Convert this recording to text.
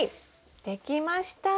できました。